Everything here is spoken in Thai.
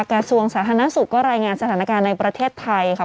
กระทรวงสาธารณสุขก็รายงานสถานการณ์ในประเทศไทยค่ะ